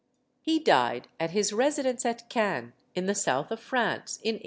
He died at his residence at Cannes in the South of France in 1868.